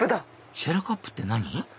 シェラカップって何？